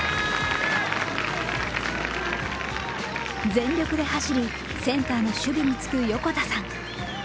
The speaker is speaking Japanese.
全力で走り、センターの守備につく横田さん。